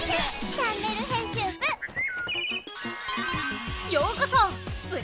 チャンネル編集部」へ！